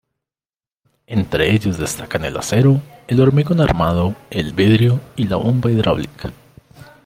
Entre ellos destacan el acero, el hormigón armado, el vidrio, y la bomba hidráulica.